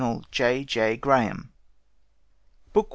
J. J. GRAHAM (_Col.